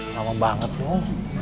lama banget tuh